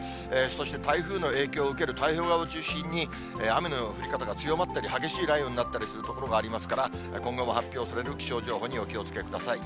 そして台風の影響を受ける太平洋側を中心に、雨の降り方が強まったり、激しい雷雨になったりする所がありますから、今後も、発表される気象情報にお気をつけください。